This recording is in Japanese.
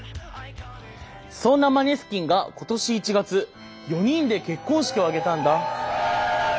そんなマネスキンが今年１月４人で結婚式を挙げたんだ。